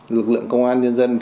lực lượng công an nhân dân